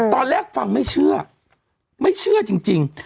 ตอนแรกฟังไม่เชื่อไม่เชื่อจริง